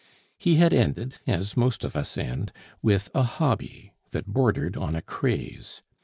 He had ended, as most of us end, with a hobby that bordered on a craze.